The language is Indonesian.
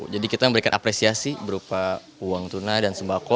kita memberikan apresiasi berupa uang tunai dan sembako